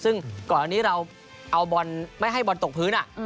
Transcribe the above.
ก่อนตอนนี้เราไม่ให้บ้อนตกพื้นอะใช่